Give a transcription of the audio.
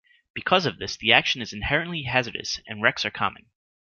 Because of this, the action is inherently hazardous, and wrecks are common.